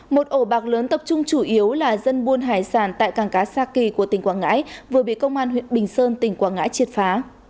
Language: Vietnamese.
một ổ bạc lớn tập trung chủ yếu là dân buôn hải sản tại cảng cá sa kỳ của tỉnh quảng ngãi vừa bị công an huyện bình sơn tỉnh quảng ngãi triệt phá